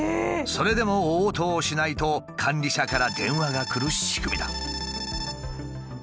それでも応答しないと管理者から電話が来る仕組みだ。